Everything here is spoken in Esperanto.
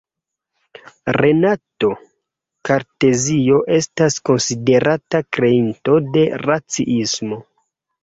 Renato Kartezio estas konsiderata kreinto de raciismo.